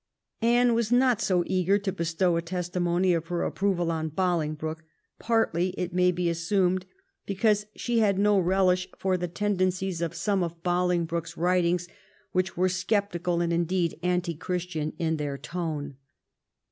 Anne was not so eager to bestow a testimony of her approval on Bolingbroke, partly, it may be assumed, because she had no relish for the tendencies of some of Bolingbroke's writings, which were sceptical, and, indeed, anti Christian in their tone.